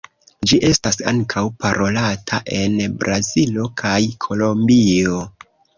Ĝi estas ankaŭ parolata en Brazilo kaj Kolombio.